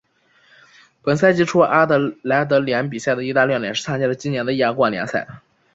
本赛季初阿德莱德联比赛的一大亮点是参加了今年的亚冠联赛。